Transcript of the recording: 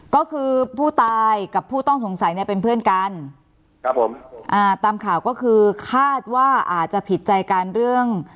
ก็คือผู้ตายกับผู้ต้องสงสัยเนี่ยเป็นเพื่อนกันครับผมอ่าตามข่าวก็คือคาดว่าอาจจะผิดใจกันเรื่อง